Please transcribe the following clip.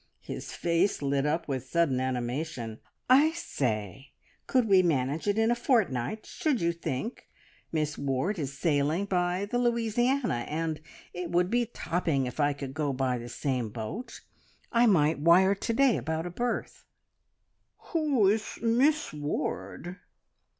His face lit up with sudden animation. "I say! Could we manage it in a fortnight, should you think? Miss Ward is sailing by the `Louisiana,' and it would be topping if I could go by the same boat. I might wire to day about a berth." "Who is Miss Ward?"